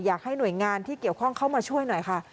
อยากให้หน่วยงานที่เกี่ยวข้องเข้ามาช่วยหน่อยค่ะ